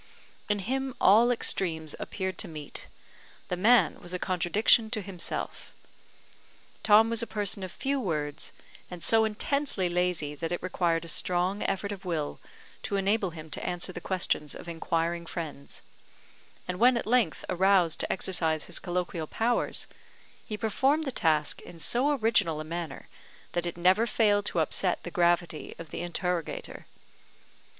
In him, all extremes appeared to meet; the man was a contradiction to himself. Tom was a person of few words, and so intensely lazy that it required a strong effort of will to enable him to answer the questions of inquiring friends; and when at length aroused to exercise his colloquial powers, he performed the task in so original a manner that it never failed to upset the gravity of the interrogator.